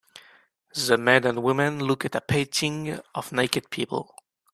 The man and woman look at a painting of naked people.